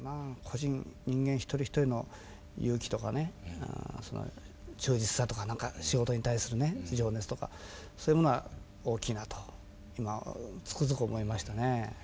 個人人間一人一人の勇気とかね忠実さとか仕事に対するね情熱とかそういうものは大きいなと今つくづく思いましたね。